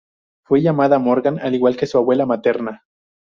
Fue llamada Morgan al igual que su abuela materna.